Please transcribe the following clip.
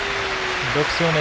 ６勝目。